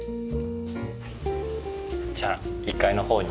じゃあ１階のほうに。